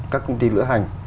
các công ty lữ hành